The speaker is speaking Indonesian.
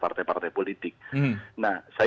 partai partai politik nah